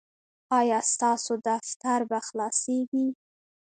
ایا ستاسو دفتر به خلاصیږي؟